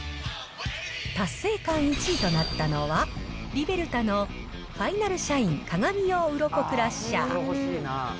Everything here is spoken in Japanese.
達成感１位となったのは、リベルタのファイナルシャイン鏡用ウロコクラッシャー。